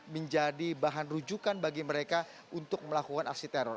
menjadi bahan rujukan bagi mereka untuk melakukan aksi teror